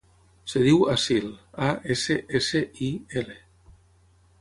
Es diu Assil: a, essa, essa, i, ela.